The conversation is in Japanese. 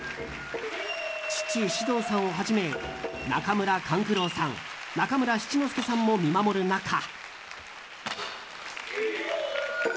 父・獅童さんをはじめ中村勘九郎さん中村七之助さんも見守る中。